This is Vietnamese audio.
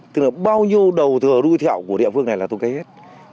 tức là bao nhiêu đầu thừa đuôi thẹo của địa phương này là tôi cấy hết